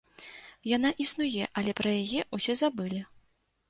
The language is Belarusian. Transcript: Яна існуе, але пра яе ўсе забылі.